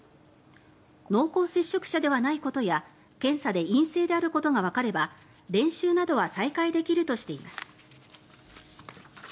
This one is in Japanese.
濃厚接触者ではないことや検査で陰性であることがわかれば練習などは再開できるとしています。